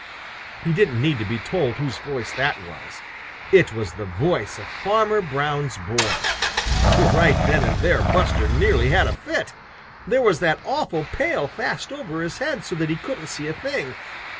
He didn't need to be told whose voice that was. It was the voice of Farmer Brown's boy. Right then and there Buster Bear nearly had a fit. There was that awful pail fast over his head so that he couldn't see a thing.